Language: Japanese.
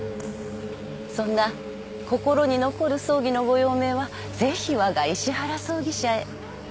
そんな心に残る葬儀のご用命はぜひわが石原葬儀社へ。